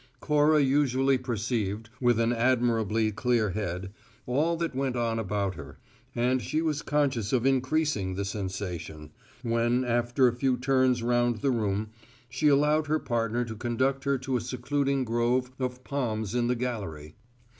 Cora usually perceived, with an admirably clear head, all that went on about her; and she was conscious of increasing the sensation, when after a few turns round the room, she allowed her partner to conduct her to a secluding grove of palms in the gallery.